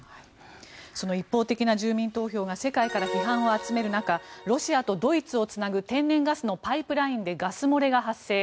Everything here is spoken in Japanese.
その一方的な住民投票が世界から批判を集める中ロシアとドイツをつなぐ天然ガスのパイプラインでガス漏れが発生。